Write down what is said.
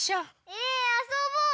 えあそぼうよ！